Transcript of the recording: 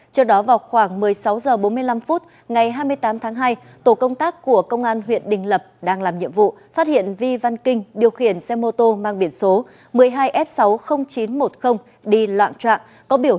trước đó vào khoảng một mươi sáu h bốn mươi năm ngày hai mươi tám tháng hai tổ công tác của công an huyện đình lập đang làm nhiệm vụ phát hiện vi văn kinh điều khiển xe mô tô mang biển số một mươi hai f sáu mươi nghìn chín trăm một mươi đi loạn trạng